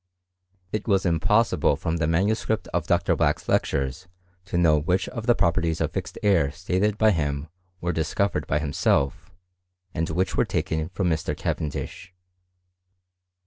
It was impossible from the* manuscript of Dr. Black's lectures to know which of the properties of fixed air stated by him were discovered by himself, and which were taken from Mr. Cavendish.